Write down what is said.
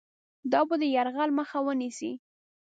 دا به د یرغل مخه ونیسي.